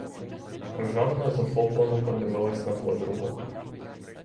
Жанна захоплено подивилась на подругу.